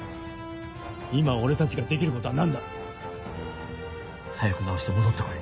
今俺たちができることは何だ？早く治して戻って来い。